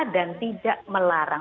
dan tidak melarang